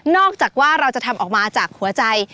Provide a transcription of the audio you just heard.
อกจากว่าเราจะทำออกมาจากหัวใจ